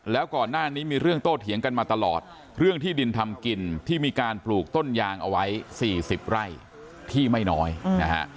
แล้วก่อนหน้านี้มีเรื่องโต้เถียงกันมาตลอดเรื่องที่ดินทำกินที่มีการปลูกต้นยางเอาไว้๔๐ไร่ที่ไม่น้อยนะฮะ